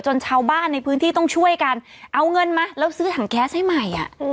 ชาวบ้านในพื้นที่ต้องช่วยกันเอาเงินมาแล้วซื้อถังแก๊สให้ใหม่